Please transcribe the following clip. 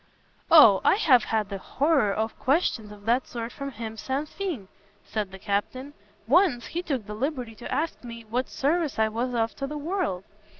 "O, I have had the horreur of questions of that sort from him sans fin," said the Captain; "once he took the liberty to ask me, what service I was of to the world!